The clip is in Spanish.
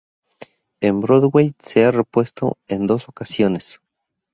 En Broadway se ha repuesto en dos ocasiones.